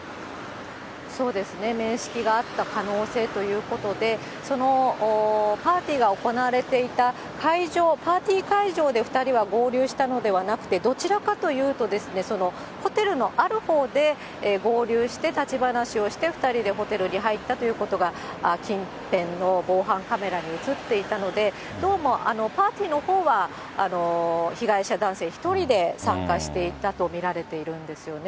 そうですね、面識があった可能性ということで、パーティーが行われていた会場、パーティー会場で２人は合流したのではなくて、どちらかというと、ホテルのあるほうで合流して立ち話をして、２人でホテルに入ったということが近辺の防犯カメラに写っていたので、どうもパーティーのほうは被害者男性１人で参加していたと見られているんですよね。